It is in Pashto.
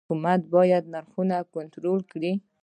حکومت باید نرخونه کنټرول کړي؟